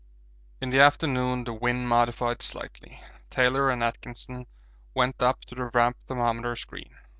In the afternoon the wind modified slightly. Taylor and Atkinson went up to the Ramp thermometer screen.